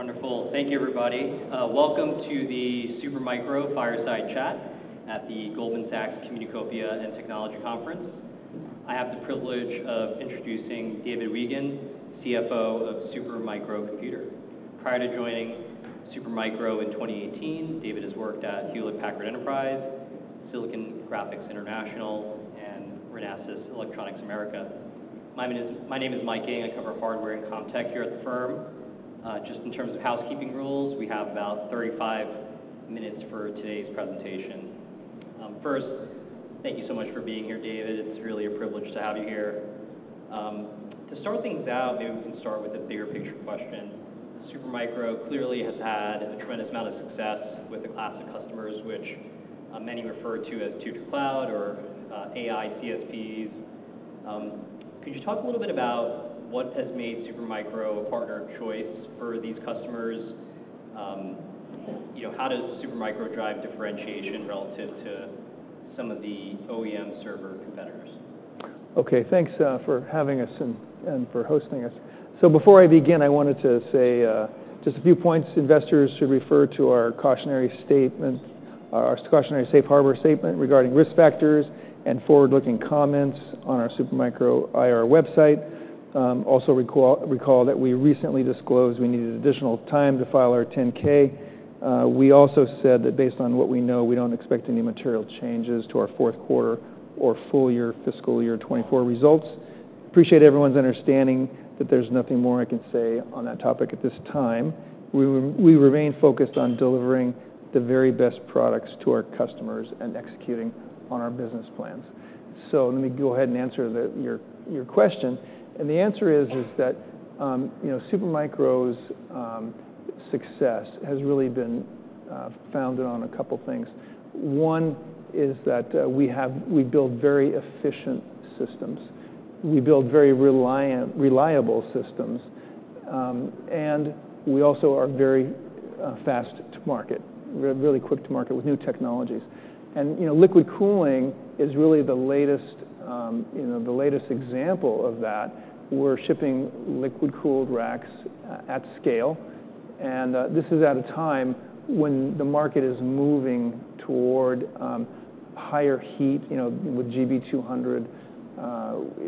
Wonderful. Thank you, everybody. Welcome to the Supermicro Fireside Chat at the Goldman Sachs Communacopia and Technology Conference. I have the privilege of introducing David Weigand, CFO of Super Micro Computer. Prior to joining Supermicro in 2018, David has worked at Hewlett Packard Enterprise, Silicon Graphics International, and Renesas Electronics America. My name is Michael Ng. I cover hardware and comm tech here at the firm. Just in terms of housekeeping rules, we have about 35 minutes for today's presentation. First, thank you so much for being here, David. It's really a privilege to have you here. To start things out, maybe we can start with the bigger picture question. Supermicro clearly has had a tremendous amount of success with the class of customers, which many refer to as Tier 2 cloud or AI CSPs. Could you talk a little bit about what has made Supermicro a partner of choice for these customers? You know, how does Supermicro drive differentiation relative to some of the OEM server competitors? Okay. Thanks for having us and for hosting us. So before I begin, I wanted to say just a few points. Investors should refer to our cautionary statement, our cautionary safe harbor statement regarding risk factors and forward-looking comments on our Supermicro IR website. Also recall that we recently disclosed we needed additional time to file our 10-K. We also said that based on what we know, we don't expect any material changes to our fourth quarter or full year fiscal year 2024 results. Appreciate everyone's understanding, but there's nothing more I can say on that topic at this time. We remain focused on delivering the very best products to our customers and executing on our business plans. So let me go ahead and answer your question. And the answer is that, you know, Supermicro's success has really been founded on a couple things. One is that we build very efficient systems. We build very reliable systems, and we also are very fast to market. We're really quick to market with new technologies. And, you know, liquid cooling is really the latest, you know, the latest example of that. We're shipping liquid-cooled racks at scale, and this is at a time when the market is moving toward higher heat, you know, with GB200,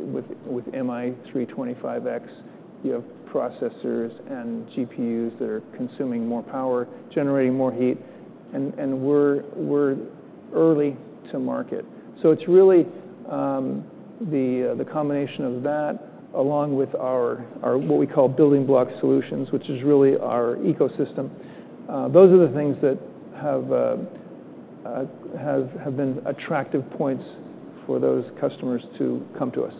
with MI325X. You have processors and GPUs that are consuming more power, generating more heat, and we're early to market. So it's really the combination of that, along with our what we call Building Block Solutions, which is really our ecosystem. Those are the things that have been attractive points for those customers to come to us.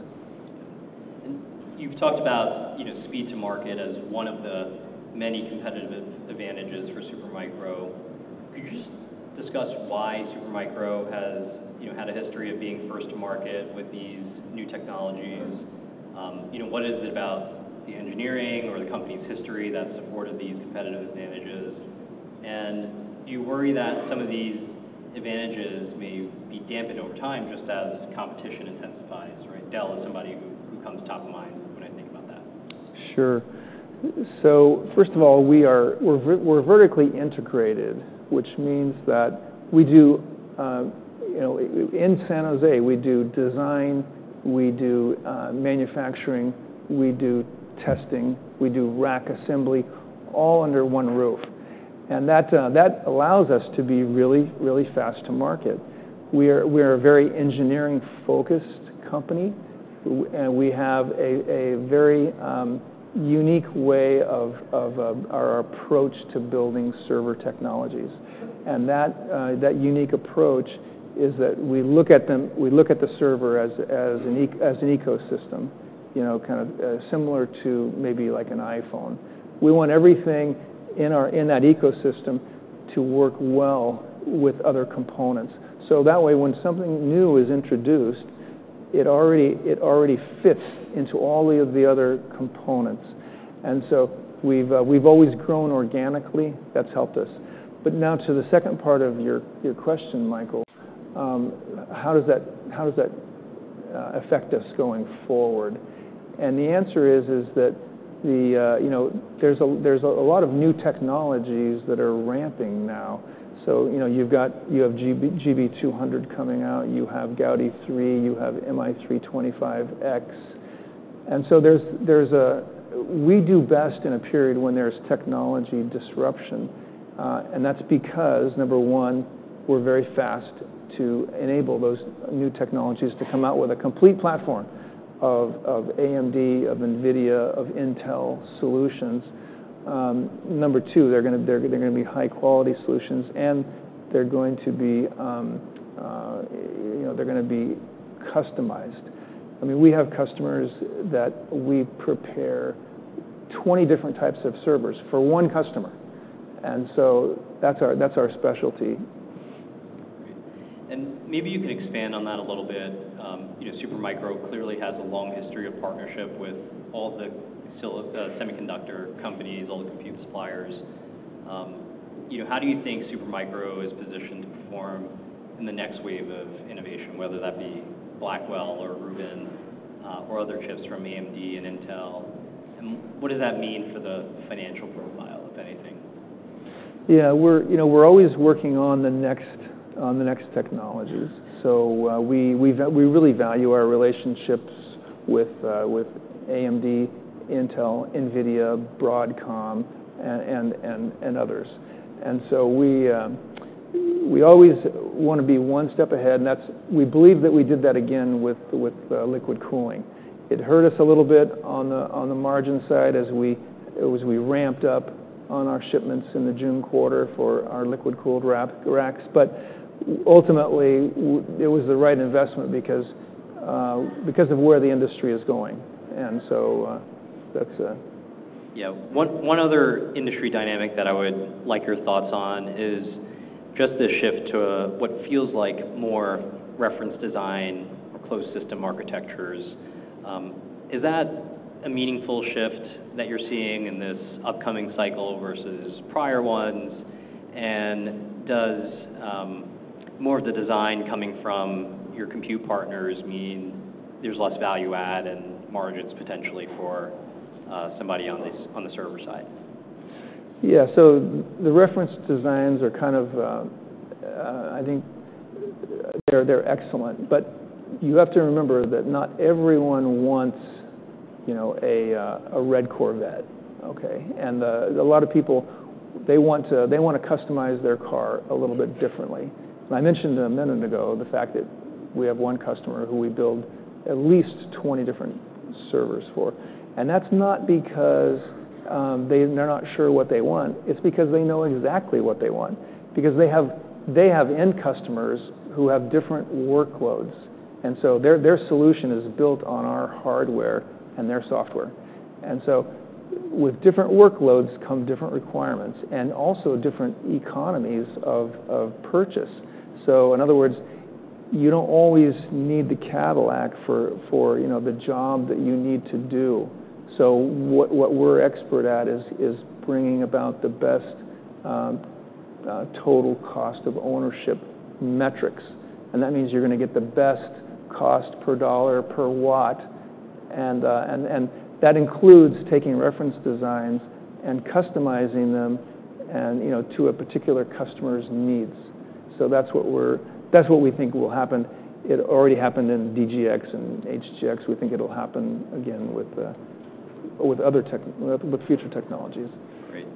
And you've talked about, you know, speed to market as one of the many competitive advantages for Supermicro. Could you just discuss why Supermicro has, you know, had a history of being first to market with these new technologies? You know, what is it about the engineering or the company's history that supported these competitive advantages? And do you worry that some of these advantages may be dampened over time, just as competition intensifies, right? Dell is somebody who comes top of mind when I think about that. Sure. So first of all, we are vertically integrated, which means that we do, you know. In San Jose, we do design, we do manufacturing, we do testing, we do rack assembly, all under one roof. And that allows us to be really, really fast to market. We are a very engineering-focused company, and we have a very unique way of our approach to building server technologies. And that unique approach is that we look at them, we look at the server as an ecosystem, you know, kind of similar to maybe like an iPhone. We want everything in that ecosystem to work well with other components. So that way, when something new is introduced, it already fits into all of the other components. And so we've always grown organically. That's helped us. But now to the second part of your question, Michael, how does that affect us going forward? And the answer is that you know, there's a lot of new technologies that are ramping now. So you know, you have GB200 coming out, you have Gaudi 3, you have MI325X. And so there's a... We do best in a period when there's technology disruption, and that's because, number one, we're very fast to enable those new technologies to come out with a complete platform of AMD, of NVIDIA, of Intel solutions. Number two, they're gonna be high-quality solutions, and they're going to be you know, they're gonna be customized. I mean, we have customers that we prepare 20 different types of servers for one customer, and so that's our, that's our specialty. Maybe you could expand on that a little bit. You know, Supermicro clearly has a long history of partnership with all the silicon semiconductor companies, all the compute suppliers. You know, how do you think Supermicro is positioned to perform in the next wave of innovation, whether that be Blackwell or Rubin, or other chips from AMD and Intel? And what does that mean for the financial profile, if anything? Yeah, we're, you know, we're always working on the next technologies. So, we really value our relationships with AMD, Intel, NVIDIA, Broadcom, and others. And so we always want to be one step ahead, and that's. We believe that we did that again with liquid cooling. It hurt us a little bit on the margin side as we ramped up on our shipments in the June quarter for our liquid-cooled racks. But ultimately, it was the right investment because of where the industry is going. And so, that's. Yeah. One other industry dynamic that I would like your thoughts on is just the shift to what feels like more reference design or closed system architectures. Is that a meaningful shift that you're seeing in this upcoming cycle versus prior ones? And does more of the design coming from your compute partners mean there's less value add and margins potentially for somebody on the server side? Yeah. So the reference designs are kind of, I think they're excellent. But you have to remember that not everyone wants, you know, a red Corvette, okay? And a lot of people, they want to customize their car a little bit differently. I mentioned a minute ago the fact that we have one customer who we build at least 20 different servers for, and that's not because they're not sure what they want. It's because they know exactly what they want, because they have end customers who have different workloads, and so their solution is built on our hardware and their software. And so with different workloads come different requirements and also different economies of purchase. So in other words, you don't always need the Cadillac for, you know, the job that you need to do. So what we're expert at is bringing about the best total cost of ownership metrics, and that means you're going to get the best cost per dollar per watt. And that includes taking reference designs and customizing them and, you know, to a particular customer's needs. So that's what we think will happen. It already happened in DGX and HGX. We think it'll happen again with future technologies. Great.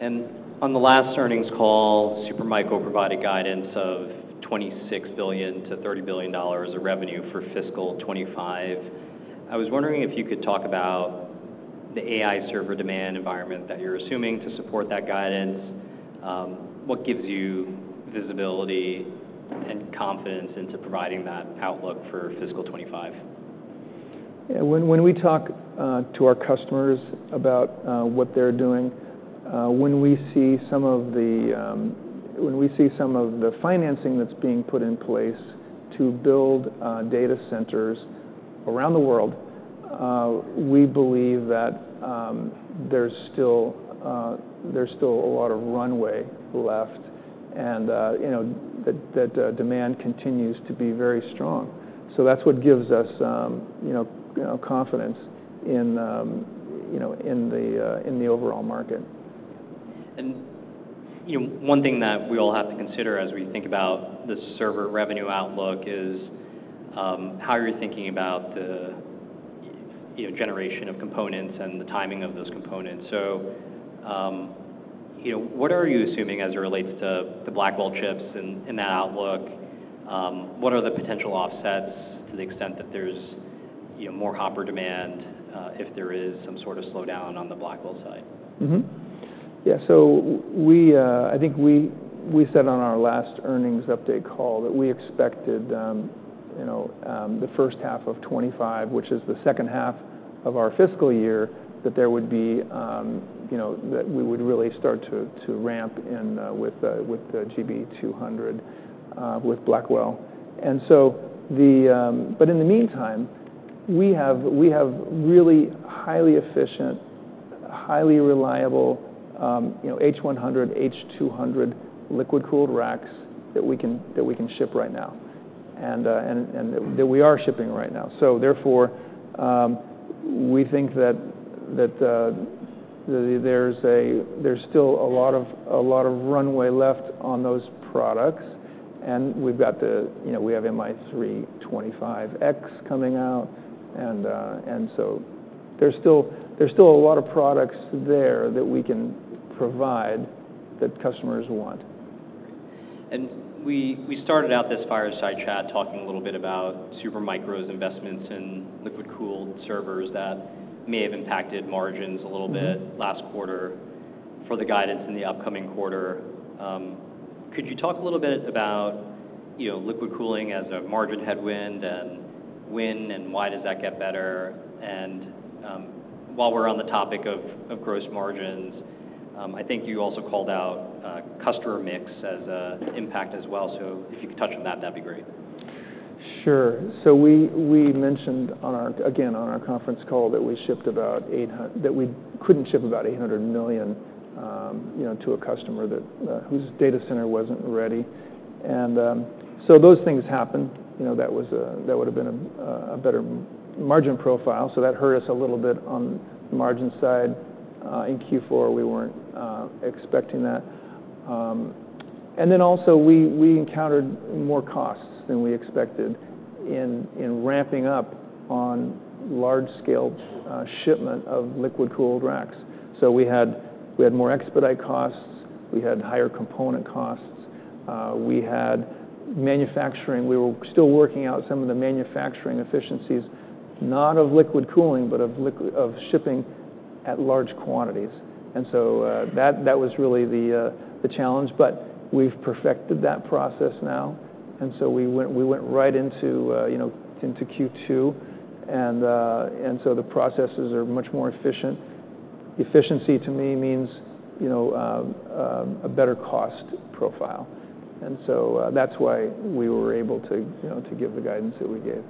And on the last earnings call, Supermicro provided guidance of $26 billion-$30 billion of revenue for fiscal 2025. I was wondering if you could talk about the AI server demand environment that you're assuming to support that guidance. What gives you visibility and confidence into providing that outlook for fiscal 2025? Yeah, when we talk to our customers about what they're doing, when we see some of the financing that's being put in place to build data centers around the world, we believe that there's still a lot of runway left and, you know, that demand continues to be very strong. So that's what gives us, you know, confidence in, you know, in the overall market. You know, one thing that we all have to consider as we think about the server revenue outlook is how you're thinking about the generation of components and the timing of those components. So, you know, what are you assuming as it relates to the Blackwell chips and that outlook? What are the potential offsets to the extent that there's more Hopper demand if there is some sort of slowdown on the Blackwell side? Yeah, so we, I think we said on our last earnings update call that we expected, you know, the first half of 2025, which is the second half of our fiscal year, that there would be, you know, that we would really start to ramp in with the GB200 with Blackwell. And so the... But in the meantime, we have really highly efficient, highly reliable, you know, H100, H200 liquid-cooled racks that we can ship right now and that we are shipping right now. So therefore, we think that there's still a lot of runway left on those products, and we've got the, you know, we have MI325X coming out and so there's still a lot of products there that we can provide that customers want. We started out this fireside chat talking a little bit about Supermicro's investments in liquid-cooled servers that may have impacted margins a little bit last quarter for the guidance in the upcoming quarter. Could you talk a little bit about, you know, liquid cooling as a margin headwind and when and why does that get better? And, while we're on the topic of gross margins, I think you also called out customer mix as a impact as well. So if you could touch on that, that'd be great. Sure. So we mentioned, again, on our conference call that we couldn't ship about $800 million, you know, to a customer whose data center wasn't ready. And so those things happened. You know, that would've been a better margin profile, so that hurt us a little bit on the margin side. In Q4, we weren't expecting that. And then also, we encountered more costs than we expected in ramping up on large-scale shipment of liquid-cooled racks. So we had more expedite costs, we had higher component costs, we had manufacturing. We were still working out some of the manufacturing efficiencies, not of liquid cooling, but of shipping at large quantities. And so, that was really the challenge. But we've perfected that process now, and so we went right into, you know, into Q2, and so the processes are much more efficient. Efficiency, to me, means, you know, a better cost profile. And so, that's why we were able to, you know, to give the guidance that we gave.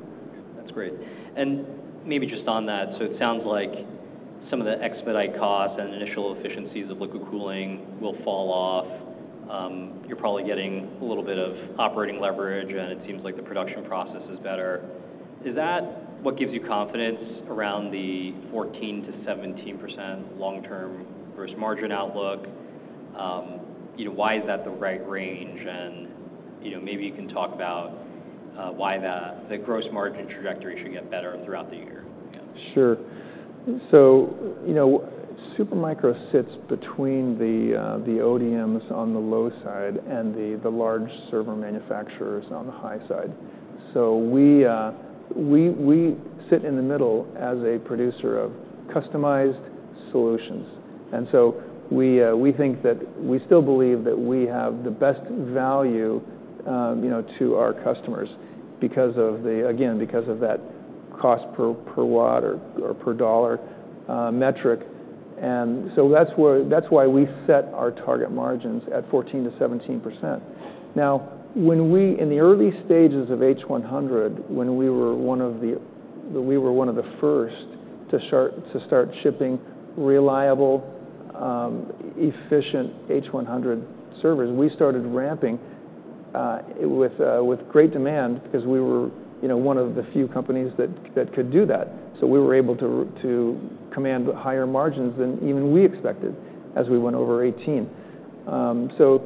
That's great. And maybe just on that, so it sounds like some of the expedite costs and initial efficiencies of liquid cooling will fall off. You're probably getting a little bit of operating leverage, and it seems like the production process is better. Is that what gives you confidence around the 14%-17% long-term gross margin outlook? You know, why is that the right range? And, you know, maybe you can talk about why the gross margin trajectory should get better throughout the year. Sure. So, you know, Supermicro sits between the ODMs on the low side and the large server manufacturers on the high side. So we, we sit in the middle as a producer of customized solutions, and so we, we think that we still believe that we have the best value, you know, to our customers because of the, again, because of that cost per watt or per dollar metric. And so that's why we set our target margins at 14%-17%. Now, in the early stages of H100, when we were one of the first to ship reliable, efficient H100 servers, we started ramping with great demand because we were, you know, one of the few companies that could do that. So we were able to command higher margins than even we expected as we went over 18%. So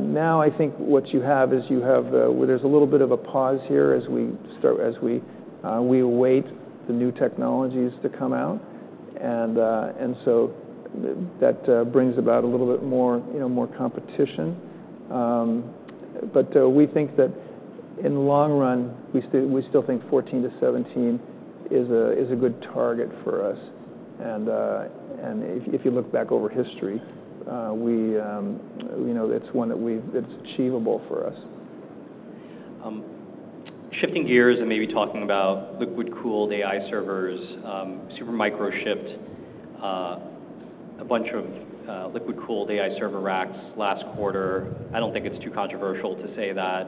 now I think what you have is, well, there's a little bit of a pause here as we await the new technologies to come out, and so that brings about a little bit more, you know, more competition. But we think that in the long run we still think 14%-17% is a good target for us. And if you look back over history, you know, that's one that's achievable for us. Shifting gears and maybe talking about liquid-cooled AI servers, Supermicro shipped a bunch of liquid-cooled AI server racks last quarter. I don't think it's too controversial to say that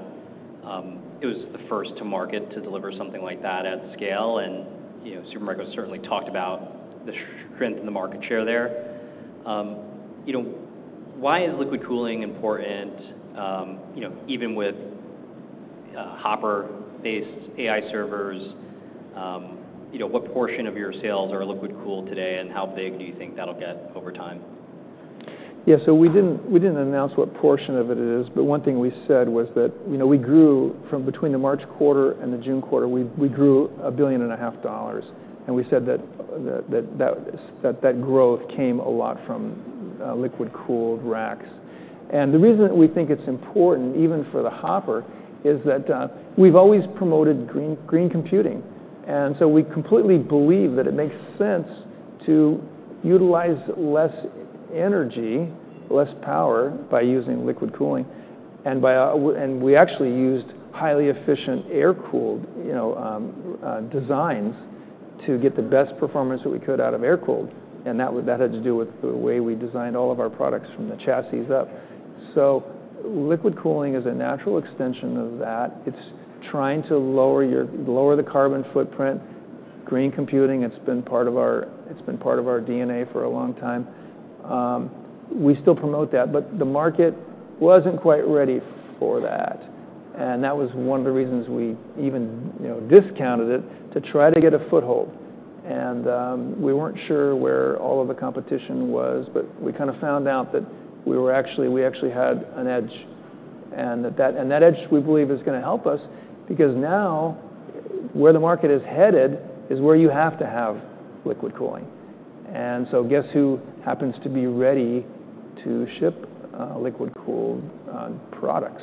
it was the first to market to deliver something like that at scale, and, you know, Supermicro certainly talked about the strength in the market share there. You know, why is liquid cooling important, you know, even with Hopper-based AI servers? You know, what portion of your sales are liquid-cooled today, and how big do you think that'll get over time? Yeah, so we didn't announce what portion of it is, but one thing we said was that, you know, we grew $1.5 billion between the March quarter and the June quarter. And we said that that growth came a lot from liquid-cooled racks. And the reason that we think it's important, even for the Hopper, is that we've always promoted green computing, and so we completely believe that it makes sense to utilize less energy, less power, by using liquid cooling. And we actually used highly efficient air-cooled, you know, designs to get the best performance that we could out of air-cooled, and that had to do with the way we designed all of our products from the chassis up. Liquid cooling is a natural extension of that. It's trying to lower the carbon footprint. Green computing. It's been part of our DNA for a long time. We still promote that, but the market wasn't quite ready for that, and that was one of the reasons we even, you know, discounted it, to try to get a foothold. We weren't sure where all of the competition was, but we kinda found out that we actually had an edge, and that edge, we believe, is gonna help us because now, where the market is headed is where you have to have liquid cooling. Guess who happens to be ready to ship liquid-cooled products?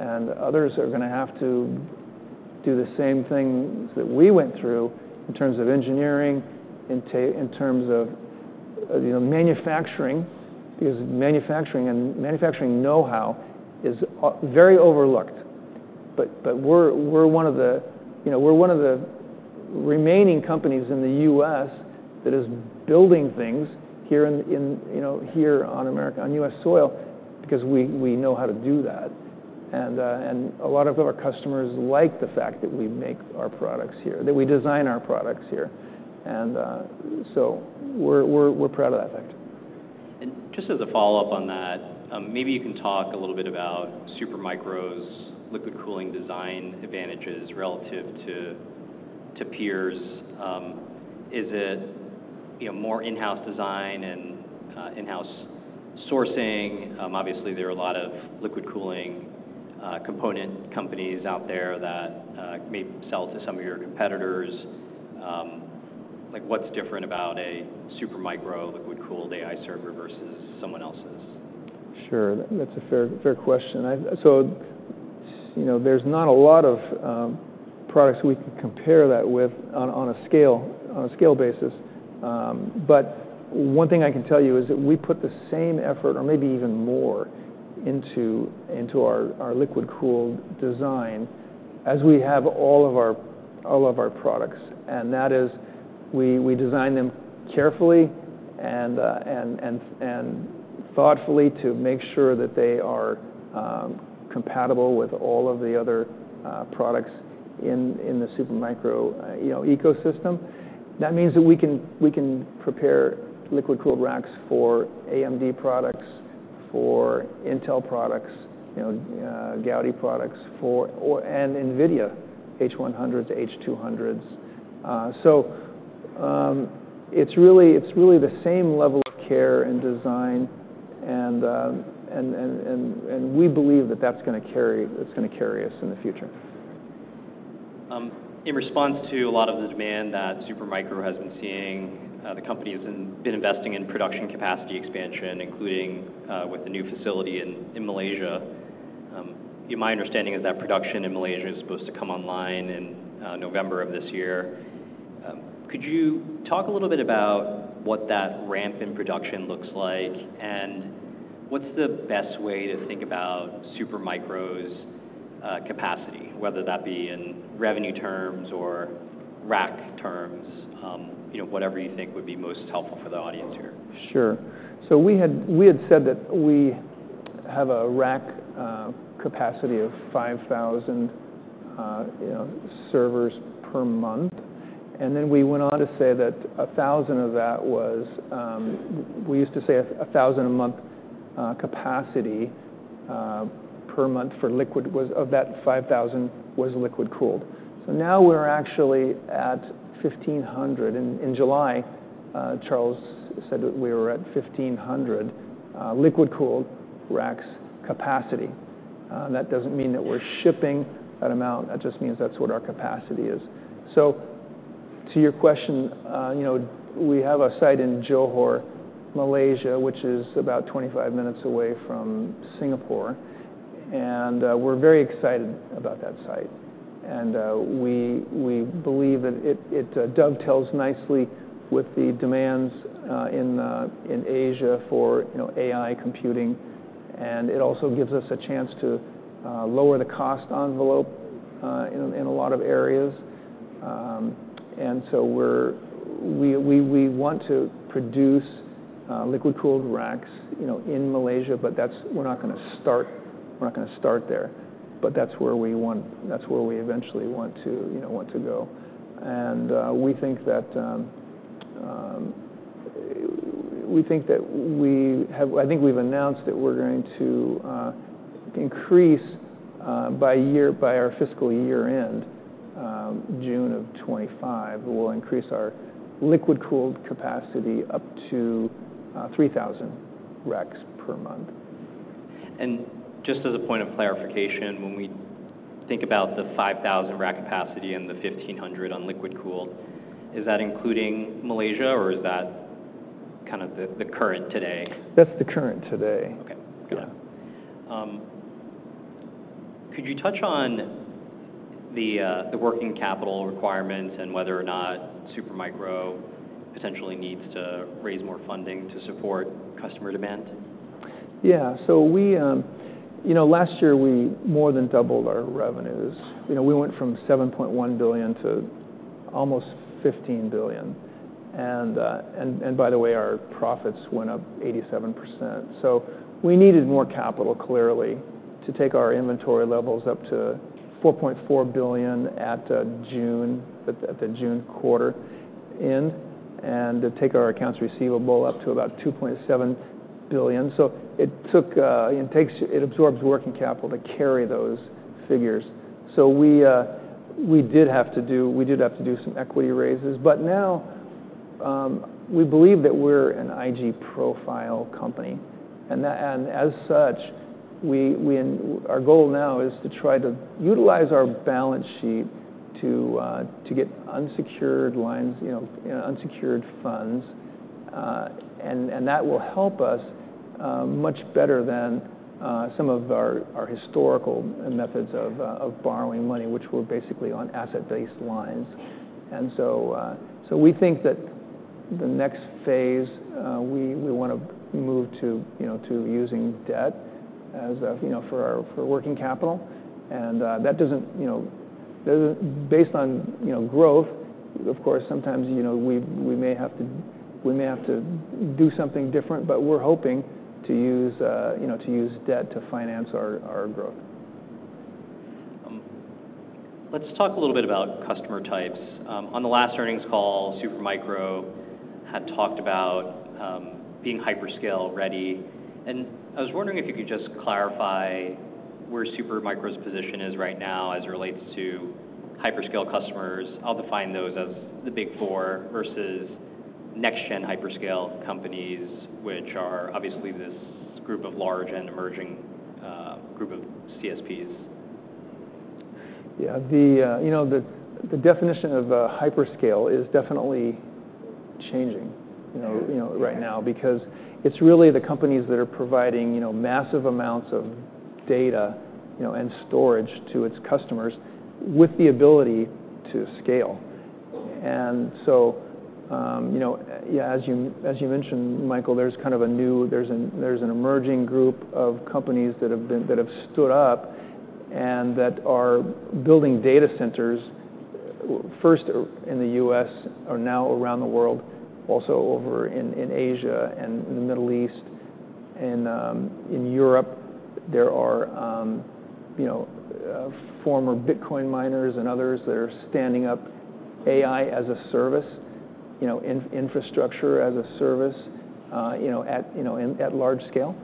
Others are gonna have to do the same things that we went through in terms of engineering, in terms of, you know, manufacturing, because manufacturing know-how is very overlooked. But we're one of the, you know, we're one of the remaining companies in the U.S. that is building things here in, you know, here on America, on U.S. soil, because we know how to do that. And a lot of our customers like the fact that we make our products here, that we design our products here. And so we're proud of that fact. Just as a follow-up on that, maybe you can talk a little bit about Supermicro's liquid cooling design advantages relative to peers. Is it, you know, more in-house design and in-house sourcing? Obviously, there are a lot of liquid cooling component companies out there that may sell to some of your competitors. Like, what's different about a Supermicro liquid-cooled AI server versus someone else's? Sure. That's a fair question. So, you know, there's not a lot of products we can compare that with on a scale basis. But one thing I can tell you is that we put the same effort, or maybe even more, into our liquid-cooled design as we have all of our products. And that is, we design them carefully and thoughtfully to make sure that they are compatible with all of the other products in the Supermicro, you know, ecosystem. That means that we can prepare liquid-cooled racks for AMD products, for Intel products, you know, Gaudi products, for or and NVIDIA H100s, H200s. So, it's really the same level of care and design, and we believe that that's gonna carry us in the future. In response to a lot of the demand that Supermicro has been seeing, the company has been investing in production capacity expansion, including with the new facility in Malaysia. My understanding is that production in Malaysia is supposed to come online in November of this year. Could you talk a little bit about what that ramp in production looks like, and what's the best way to think about Supermicro's capacity, whether that be in revenue terms or rack terms? You know, whatever you think would be most helpful for the audience here. Sure. So we had said that we have a rack capacity of 5,000 you know servers per month, and then we went on to say that 1,000 of that was. We used to say a 1,000 a month capacity per month for liquid of that 5,000 was liquid-cooled. So now we're actually at 1,500. In July Charles said that we were at 1,500 liquid-cooled racks capacity. That doesn't mean that we're shipping that amount, that just means that's what our capacity is. So to your question you know we have a site in Johor, Malaysia, which is about 25 minutes away from Singapore, and we're very excited about that site. And, we believe that it dovetails nicely with the demands in Asia for, you know, AI computing, and it also gives us a chance to lower the cost envelope in a lot of areas. And so we want to produce liquid-cooled racks, you know, in Malaysia, but we're not gonna start there, but that's where we eventually want to, you know, go. And, we think that we have. I think we've announced that we're going to increase, by our fiscal year end, June of 2025, we'll increase our liquid-cooled capacity up to 3,000 racks per month. Just as a point of clarification, when we think about the 5,000 rack capacity and the 1,500 on liquid-cooled, is that including Malaysia, or is that kind of the current today? That's the current today. Okay. Good. Yeah. Could you touch on the working capital requirements and whether or not Supermicro essentially needs to raise more funding to support customer demand? Yeah. So we, you know, last year we more than doubled our revenues. You know, we went from $7.1 billion to almost $15 billion. And, by the way, our profits went up 87%. So we needed more capital, clearly, to take our inventory levels up to $4.4 billion at June, at the June quarter end, and to take our accounts receivable up to about $2.7 billion. So it took, it takes- it absorbs working capital to carry those figures. So we, we did have to do, we did have to do some equity raises. But now, we believe that we're an IG profile company, and as such, our goal now is to try to utilize our balance sheet to get unsecured lines, you know, unsecured funds, and that will help us much better than some of our historical methods of borrowing money, which were basically on asset-based lines. And so, we think that the next phase we want to move to using debt as a, you know, for working capital. And that doesn't, you know. Based on growth, of course, sometimes, you know, we may have to do something different, but we're hoping to use, you know, to use debt to finance our growth. Let's talk a little bit about customer types. On the last earnings call, Supermicro had talked about being hyperscale ready, and I was wondering if you could just clarify where Supermicro's position is right now as it relates to hyperscale customers. I'll define those as the Big Four versus next-gen hyperscale companies, which are obviously this group of large and emerging CSPs. Yeah. The, you know, the definition of a hyperscale is definitely changing, you know- Yeah... right now because it's really the companies that are providing, you know, massive amounts of data, you know, and storage to its customers with the ability to scale. And so, you know, as you, as you mentioned, Michael, there's kind of a new. There's an emerging group of companies that have stood up and that are building data centers, first in the U.S., are now around the world, also over in Asia and in the Middle East. And, in Europe, there are, you know, former Bitcoin miners and others that are standing up AI as a service, you know, infrastructure as a service, you know, at large scale.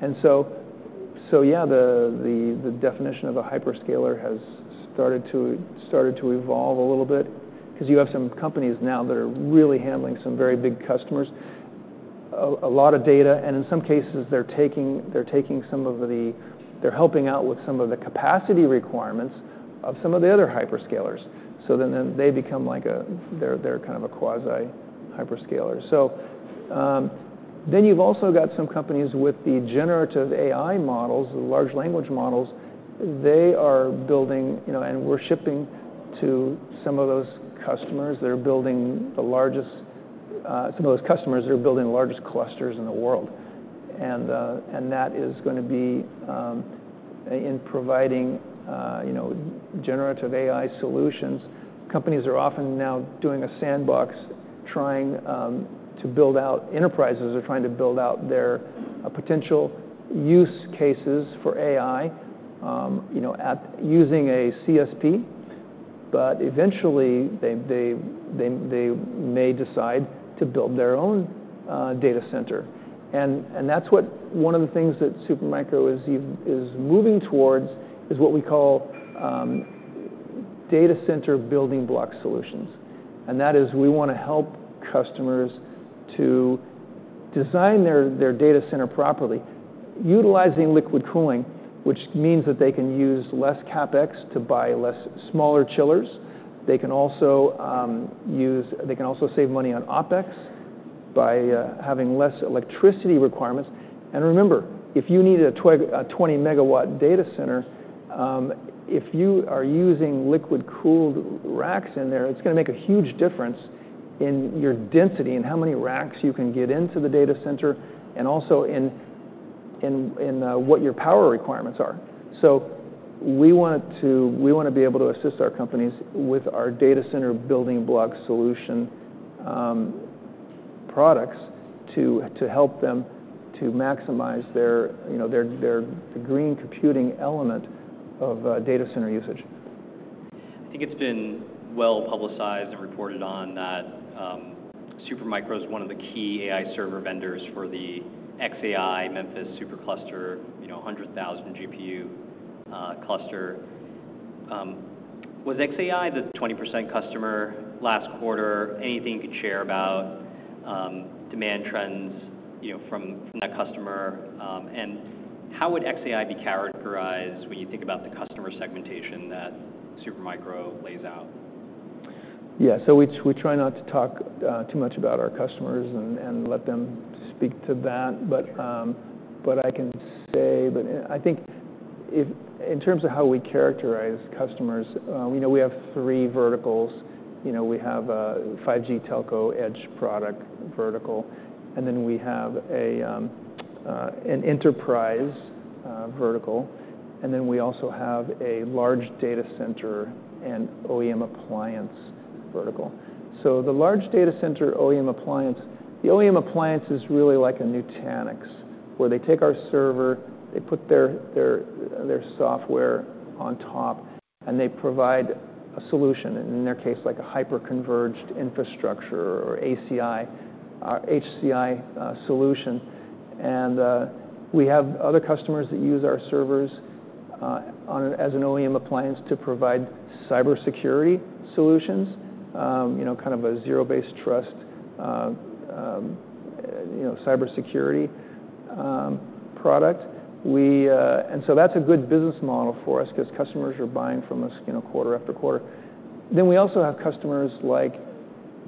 The definition of a hyperscaler has started to evolve a little bit because you have some companies now that are really handling some very big customers, a lot of data, and in some cases, they're helping out with some of the capacity requirements of some of the other hyperscalers. So then they become kind of a quasi-hyperscaler. Then you've also got some companies with the generative AI models, the large language models. They are building, you know, and we're shipping to some of those customers. Some of those customers, they're building the largest clusters in the world. That is going to be in providing, you know, generative AI solutions. Companies are often now doing a sandbox. Enterprises are trying to build out their potential use cases for AI, you know, by using a CSP. But eventually, they may decide to build their own data center, and that's one of the things that Supermicro is moving towards, is what we call data center building block solutions, and that is, we want to help customers to design their data center properly, utilizing liquid cooling, which means that they can use less CapEx to buy smaller chillers. They can also save money on OpEx by having less electricity requirements. Remember, if you need a 20-megawatt data center, if you are using liquid-cooled racks in there, it's going to make a huge difference in your density and how many racks you can get into the data center, and also in what your power requirements are. So we want to be able to assist our companies with our data center Building Block Solution products to help them to maximize their, you know, their green computing element of data center usage. I think it's been well publicized and reported on that, Supermicro is one of the key AI server vendors for the xAI Memphis supercluster, you know, a 100,000 GPU cluster. Was xAI the 20% customer last quarter? Anything you could share about demand trends, you know, from that customer? And how would xAI be characterized when you think about the customer segmentation that Supermicro lays out? Yeah, so we try not to talk too much about our customers and let them speak to that. Sure. But I can say that I think if... In terms of how we characterize customers, we know we have three verticals. You know, we have a 5G telco edge product vertical, and then we have an enterprise vertical, and then we also have a large data center and OEM appliance vertical. So the large data center OEM appliance, the OEM appliance is really like a Nutanix, where they take our server, they put their software on top, and they provide a solution, in their case, like a hyperconverged infrastructure or ACI, or HCI solution. And we have other customers that use our servers, as an OEM appliance to provide cybersecurity solutions, you know, kind of a zero trust, you know, cybersecurity product. We... And so that's a good business model for us because customers are buying from us, you know, quarter after quarter. Then we also have customers like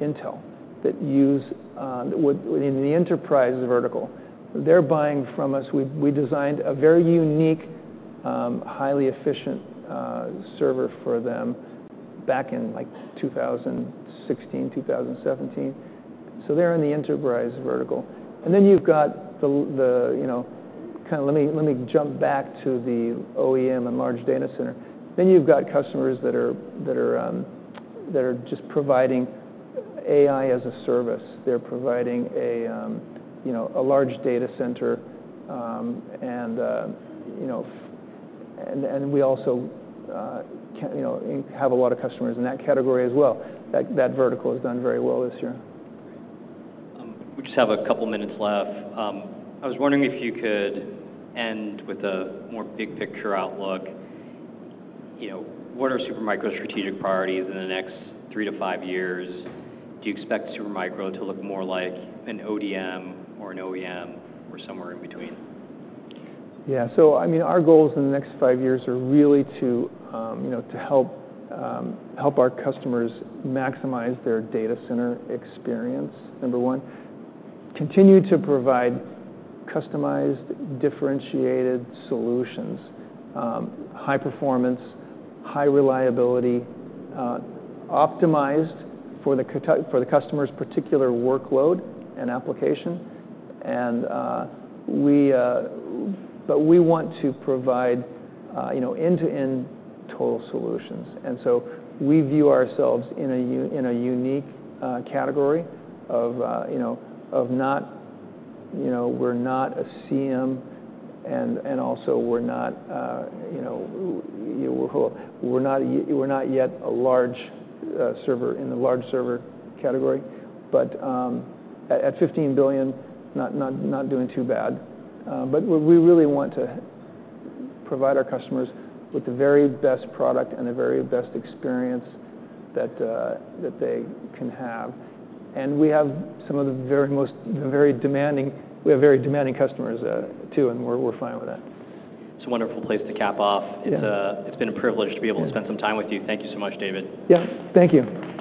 Intel that use in the enterprise vertical. They're buying from us. We designed a very unique highly efficient server for them back in, like, 2016, 2017. So they're in the enterprise vertical. And then you've got the, you know, kind of let me jump back to the OEM and large data center. Then you've got customers that are just providing AI as a service. They're providing a, you know, a large data center, and we also, you know, have a lot of customers in that category as well. That vertical has done very well this year. We just have a couple minutes left. I was wondering if you could end with a more big picture outlook. You know, what are Supermicro's strategic priorities in the next three to five years? Do you expect Supermicro to look more like an ODM or an OEM or somewhere in between? Yeah. So I mean, our goals in the next five years are really to, you know, to help, help our customers maximize their data center experience, number one. Continue to provide customized, differentiated solutions, high performance, high reliability, optimized for the customer's particular workload and application. But we want to provide, you know, end-to-end total solutions. And so we view ourselves in a unique category of, you know, of not, you know, we're not a CM, and also we're not yet a large server in the large server category, but at $15 billion, not doing too bad. But we really want to provide our customers with the very best product and the very best experience that they can have. And we have some of the very most demanding customers, too, and we're fine with that. It's a wonderful place to cap off. Yeah. It's been a privilege to be able- Yeah to spend some time with you. Thank you so much, David. Yeah. Thank you.